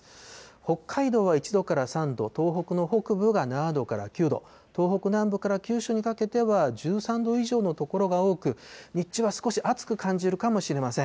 北海道は１度から３度、東北の北部が７度から９度、東北南部から九州にかけては１３度以上の所が多く、日中は少し暑く感じるかもしれません。